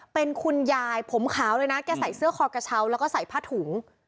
เป็นคุณยายผมขาวเลยนะแกใส่เสื้อคอกระเช้าแล้วก็ใส่ผ้าถุง